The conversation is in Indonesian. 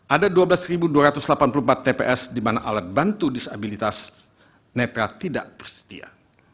ada dua belas dua ratus delapan puluh empat tps di mana alat bantu disabilitas nepal tidak bersedia